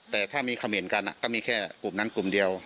แต่ถ้ามีคำเห็นกันก็มีแค่กลุ่มนั้นกลุ่มเดียว